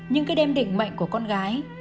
nhưng cái đêm định mệnh của con gái